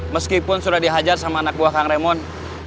meskipun sudah dihajar sama anak buah kang remon